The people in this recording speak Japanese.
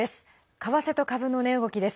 為替と株の値動きです。